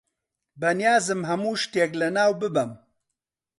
بەنیازم هەموو شتێک لەناو ببەم.